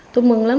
tôi mừng lắm